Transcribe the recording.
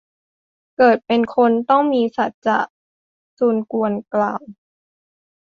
เกิดเป็นคน ต้องมีสัจจะ ซุนกวนกล่าว